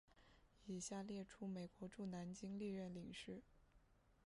以下列出美国驻南京历任领事。